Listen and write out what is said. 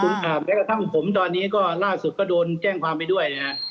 แม้กระทั่งผมตอนนี้ก็ล่าสุดก็โดนแจ้งความไปด้วยนะฮะ